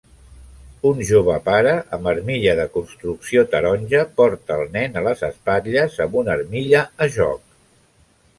Un jove pare amb armilla de construcció taronja porta el nen a les espatlles amb una armilla a joc.